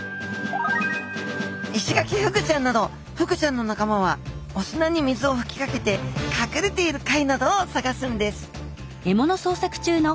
イシガキフグちゃんなどフグちゃんの仲間はお砂に水をふきかけてかくれている貝などを探すんです